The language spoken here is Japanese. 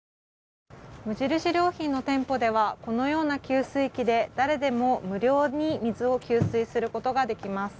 無印良品の店舗ではこのような給水器で誰でも無料で水を給水することができます。